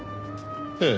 ええ。